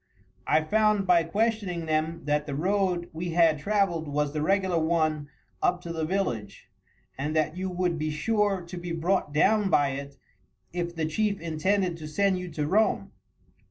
I found by questioning them that the road we had travelled was the regular one up to the village, and that you would be sure to be brought down by it if the chief intended to send you to Rome.